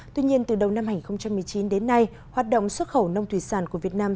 tuy nhiên từ đầu năm hai nghìn một mươi chín đến nay hoạt động xuất khẩu nông thủy sản của việt nam